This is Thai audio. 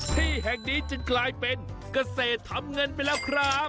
ที่แห่งนี้จึงกลายเป็นเกษตรทำเงินไปแล้วครับ